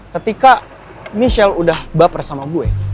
ketika michelle udah baper sama gue